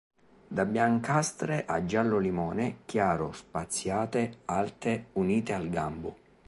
Da biancastre a giallo-limone chiaro, spaziate, alte, unite al gambo.